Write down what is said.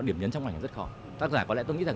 điểm nhấn trong ảnh rất khó tác giả có lẽ tôi nghĩ rằng